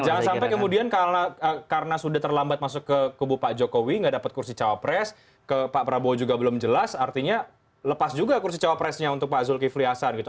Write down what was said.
jangan sampai kemudian karena sudah terlambat masuk ke kubu pak jokowi nggak dapat kursi cawapres ke pak prabowo juga belum jelas artinya lepas juga kursi cawapresnya untuk pak zulkifli hasan gitu